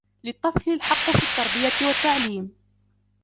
للطفل الحق في التربية و التعليم.